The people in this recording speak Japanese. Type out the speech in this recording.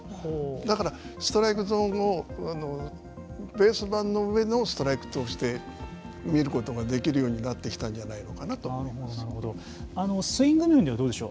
だから、ストライクゾーンをベース板の上のストライクを通して見ることができるようになってきたんじゃないのかなとスイング面ではどうでしょう。